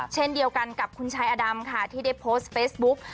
เช่นเดียวกันกับคุณชายอดำค่ะที่ได้โพสต์เฟซบุ๊ก